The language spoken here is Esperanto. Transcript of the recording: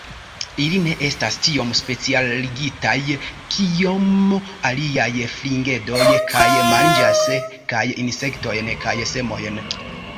Ili ne estas tiom specialigitaj kiom aliaj fringedoj, kaj manĝas kaj insektojn kaj semojn.